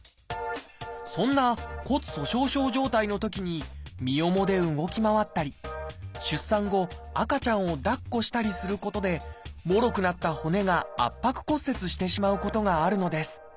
そんな骨粗しょう症状態のときに身重で動き回ったり出産後赤ちゃんを抱っこしたりすることでもろくなった骨が圧迫骨折してしまうことがあるのです。